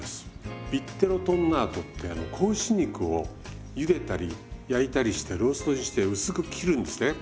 ビッテロトンナートってあの子牛肉をゆでたり焼いたりしてローストにして薄く切るんですね。